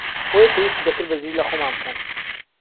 بۆیە پێویستی دەکرد بەرگری لەخۆمان بکەن